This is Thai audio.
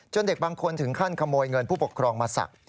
เด็กบางคนถึงขั้นขโมยเงินผู้ปกครองมาศักดิ์